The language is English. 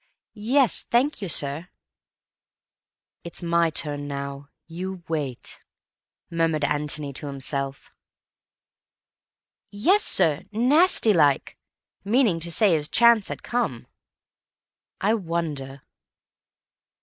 "Yes, thank you, sir." "'It's my turn now. You wait,'" murmured Antony to himself. "Yes, sir. Nasty like. Meaning to say his chance had come." "I wonder."